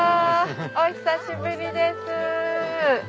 お久しぶりです。